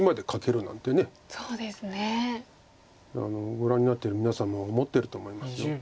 ご覧になってる皆さんも思ってると思います。